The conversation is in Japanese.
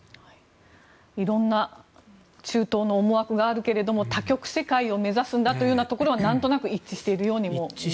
いろんな中東の思惑があるけども多極世界を目指すというのはなんとなく一致しているようにも思いますね。